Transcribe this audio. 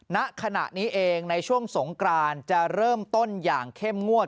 ณขณะนี้เองในช่วงสงกรานจะเริ่มต้นอย่างเข้มงวด